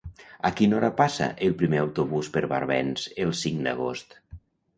A quina hora passa el primer autobús per Barbens el cinc d'agost?